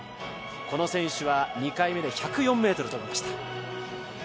この選手は２回目で１０４ｍ飛びました